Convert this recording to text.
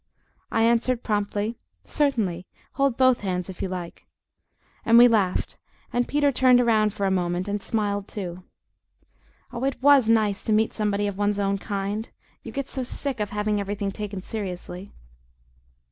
I answered, promptly, "Certainly; hold both hands if you like!" And we laughed, and Peter turned around for a moment and smiled, too. Oh, it WAS nice to meet somebody of one's own kind! You get so sick of having everything taken seriously.